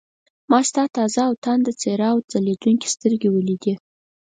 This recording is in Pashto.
ما ستا تازه او تانده څېره او ځلېدونکې سترګې ولیدې.